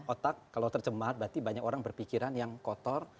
otak kalau tercemar berarti banyak orang berpikiran yang kotor